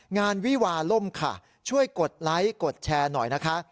วิวาล่มค่ะช่วยกดไลค์กดแชร์หน่อยนะคะ